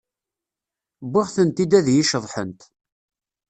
Wwiɣ-tent-id ad ay-iceḍḥent.